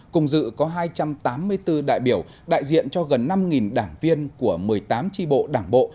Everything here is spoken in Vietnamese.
cùng dự có hai trăm tám mươi bốn đại biểu đại diện cho gần năm đảng viên của một mươi tám tri bộ đảng bộ